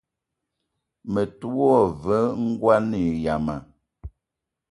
Me te wa ve ngoan yama.